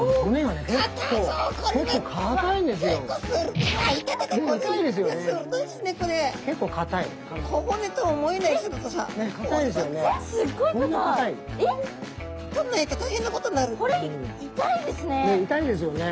ねっ痛いですよね。